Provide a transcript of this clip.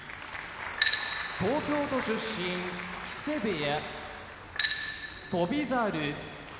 東京都出身木瀬部屋翔猿